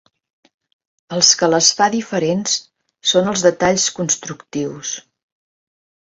Els que les fa diferents són els detalls constructius.